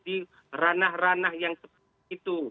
di ranah ranah yang seperti itu